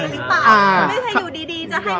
อย่างที่บอกครับว่า